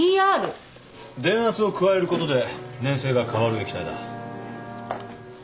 電圧を加えることで粘性が変わる液体だ。